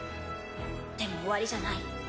でも終わりじゃない。